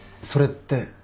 それって。